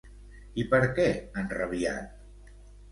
I per què enrabiat?